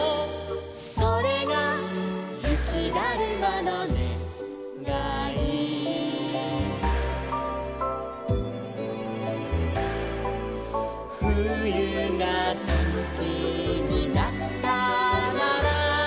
「それがゆきだるまのねがい」「ふゆがだいすきになったなら」